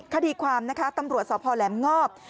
คดีความนะคะตำรวจสพแหลมงอบ